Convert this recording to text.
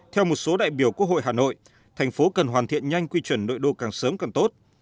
theo một số đại biểu quốc hội hà nội thành phố cần hoàn thiện nhanh quy chuẩn nội đô càng sớm càng tốt